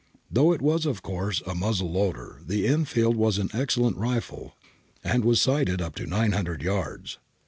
]' Though it was of course a muzzle loader, the Enfield was an excellent rifle and was sighted up to 900 yards.